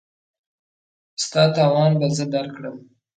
ستا تاوان به زه درکړم.